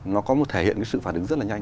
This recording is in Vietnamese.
nó có thể hiện sự phản ứng rất là nhanh